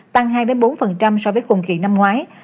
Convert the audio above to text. tăng hai bốn so với khủng khi năm ngoái